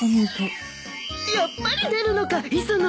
やっぱり出るのか磯野。